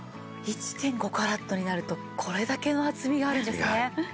１．５カラットになるとこれだけの厚みがあるんですね。